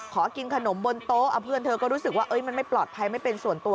ขอกินขนมบนโต๊ะเพื่อนเธอก็รู้สึกว่ามันไม่ปลอดภัยไม่เป็นส่วนตัว